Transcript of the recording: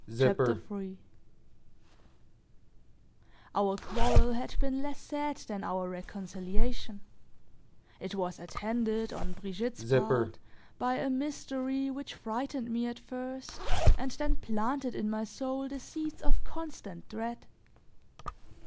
CHAPTER III OUR quarrel had been less sad than our reconciliation; it was attended, on Brigitte's part, by a mystery which frightened me at first and then planted in my soul the seeds of constant dread.